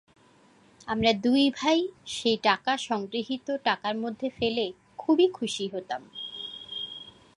আমরা দুই ভাই সেই টাকা সংগৃহীত টাকার মধ্যে ফেলে খুবই খুশি হতাম।